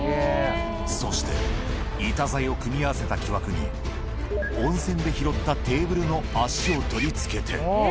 そして、板材を組み合わせた木枠に、温泉で拾ったテーブルの足を取り付けて。